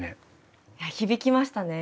響きましたね。